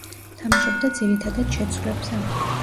თამაშობდა ძირითადად შეცვლებზე.